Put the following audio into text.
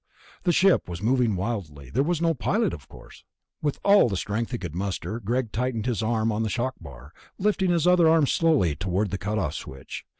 The ship was moving wildly; there was no pilot, no course. With all the strength he could muster Greg tightened his arm on the shock bar, lifting his other arm slowly toward the cut off switch.